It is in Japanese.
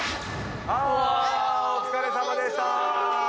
お疲れさまでした！